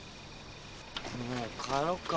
もう帰ろっか。